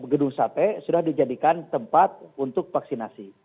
gedung sate sudah dijadikan tempat untuk vaksinasi